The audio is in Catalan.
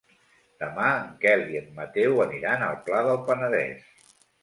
Demà en Quel i en Mateu aniran al Pla del Penedès.